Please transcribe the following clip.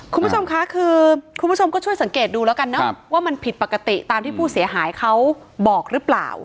คุณผู้ชมคะคือคุณผู้ชมก็ช่วยสังเกตดูแล้วกันเนอะว่ามันผิดปกติตามที่ผู้เสียหายเขาบอกหรือเปล่า